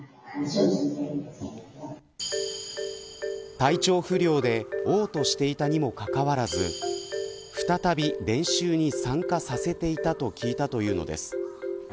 体調不良で嘔吐していたにもかかわらず再び練習に参加させていたと聞いたというのです。